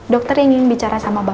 dokter ingin bicara sama bapak